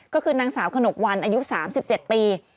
ก็คือนางสาวขนกวันอายุ๓๗ปี